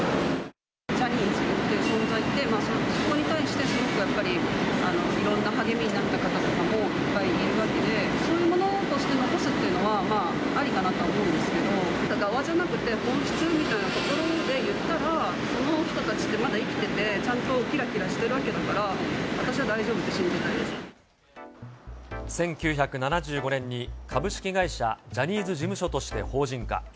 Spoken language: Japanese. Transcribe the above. ジャニーズっていう存在って、そこに対してすごくやっぱり、いろんな励みになった方とかもいっぱいいるわけで、そういうものとして残すっていうのは、まあありかなとは思うんですけど、がわじゃなくて、本質みたいなところで言ったら、その人たちってまだ生きてて、ちゃんときらきらしてるわけだから、私は大丈夫っ１９７５年に株式会社ジャニーズ事務所として法人化。